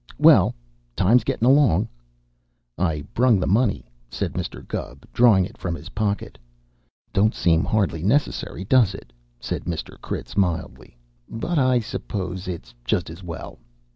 Well, time's gettin' along " "I brung the money," said Mr. Gubb, drawing it from his pocket. "Don't seem hardly necess'ry, does it?" said Mr. Critz mildly. "But I s'pose it's just as well.